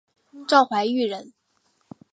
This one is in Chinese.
赵怀玉人。